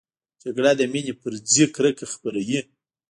جګړه د مینې پر ځای کرکه خپروي